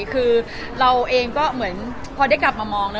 คือเราเองก็เหมือนพอได้กลับมามองแล้ว